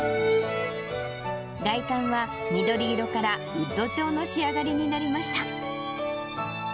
外観は緑色からウッド調の仕上がりになりました。